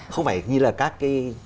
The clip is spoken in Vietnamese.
không phải như là các cái